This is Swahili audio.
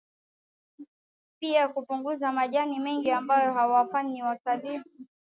pia kupunguza majani mengi ambayo huwafanya watalii